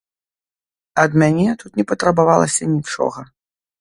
Ад мяне тут не патрабавалася нічога.